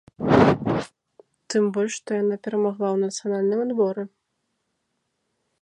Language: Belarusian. Тым больш што яна перамагла ў нацыянальным адборы.